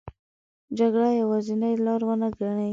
جګړه یوازینې لار ونه ګڼي.